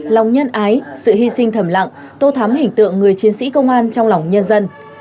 lòng nhân ái sự hy sinh thầm lặng tô thắm hình tượng người chiến sĩ công an trong lòng nhân dân